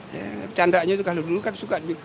ya candanya itu kalau dulu kan suka